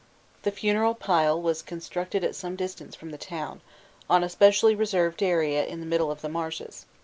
The funeral pile was constructed at some distance from the town, on a specially reserved area in the middle of the marshes.